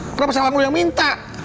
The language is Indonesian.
kenapa salah lo yang minta